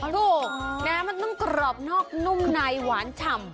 ถูกเนี่ยมันตลุดกรอบนอกนุ่มในหวานชำ